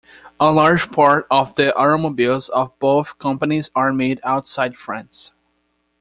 A large part of the automobiles of both companies are made outside France.